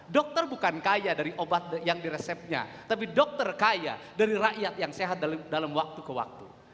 dokter bukan kaya dari obat yang diresepnya tapi dokter kaya dari rakyat yang sehat dalam waktu ke waktu